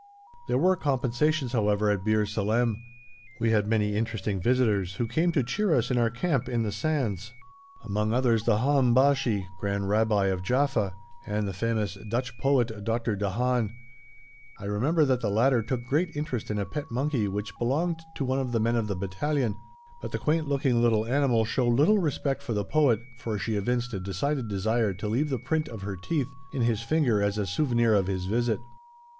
There were compensations, however, at Bir Salem. We had many interesting visitors who came to cheer us in our camp in the sands, among others the Haham Bashi (Grand Rabbi of Jaffa) and the famous Dutch poet Dr. de Haan. I remember that the latter took great interest in a pet monkey which belonged to one of the men of the battalion, but the quaint looking little animal showed little respect for the poet, for she evinced a decided desire to leave the print of her teeth in his finger as a souvenir of his visit.